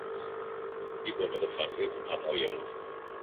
είπε με το φαρδύ του χαμόγελο